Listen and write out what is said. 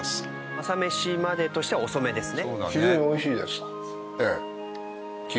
『朝メシまで。』としては遅めですね。